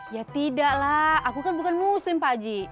ya tidak lah aku kan bukan muslim pak aji